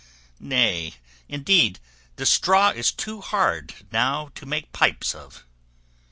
Nay! indeed 'the straw is too hard now to make pipes of.